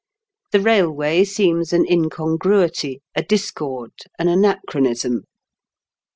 The railway seems an in congruity, a discord, an anachronism.